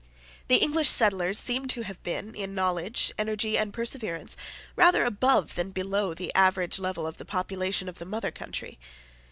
The English settlers seem to have been, in knowledge, energy, and perseverance, rather above than below the average level of the population of the mother country.